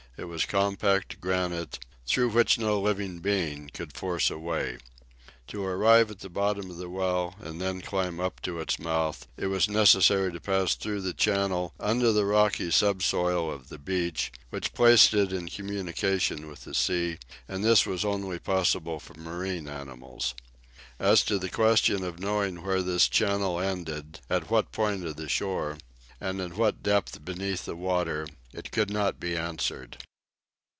It was compact granite, through which no living being could force a way. To arrive at the bottom of the well and then climb up to its mouth it was necessary to pass through the channel under the rocky subsoil of the beach, which placed it in communication with the sea, and this was only possible for marine animals. As to the question of knowing where this channel ended, at what point of the shore, and at what depth beneath the water, it could not be answered.